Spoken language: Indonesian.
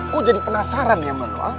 kok jadi penasaran ya sama lo